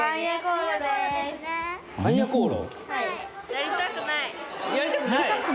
やりたくない！？